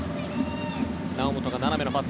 猶本が斜めのパス。